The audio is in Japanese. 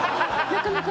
なかなか。